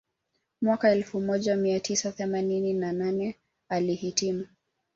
Mwaka elfu moja mia tisa themanini na nane alihitimu